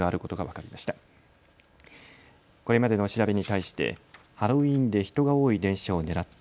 これまでの調べに対してハロウィーンで人が多い電車を狙った。